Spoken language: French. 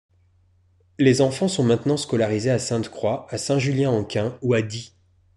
Les enfants sont maintenant scolarisés à Sainte-Croix, à Saint-Julien-en-Quint ou à Die.